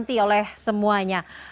dikerti oleh semuanya